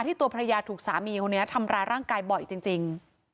ตัวภรรยาถูกสามีคนนี้ทำร้ายร่างกายบ่อยจริง